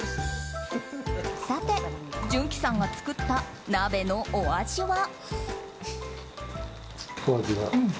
さて潤熙さんが作った鍋のお味は。